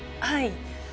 はい。